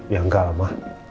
ya enggak ma